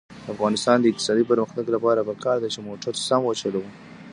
د افغانستان د اقتصادي پرمختګ لپاره پکار ده چې موټر سم وچلوو.